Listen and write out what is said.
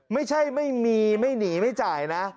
ไม่มีไม่หนีไม่จ่ายนะ